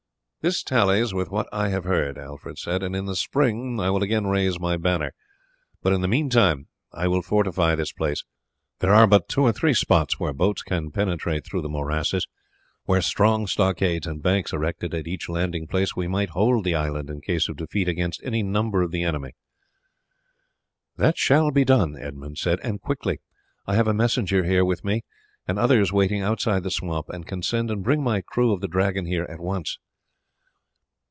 "This tallies with what I have heard," Alfred said, "and in the spring I will again raise my banner; but in the meantime I will fortify this place. There are but two or three spots where boats can penetrate through the morasses; were strong stockades and banks erected at each landing place we might hold the island in case of defeat against any number of the enemy." "That shall be done," Edmund said, "and quickly. I have a messenger here with me, and others waiting outside the swamp, and can send and bring my crew of the Dragon here at once."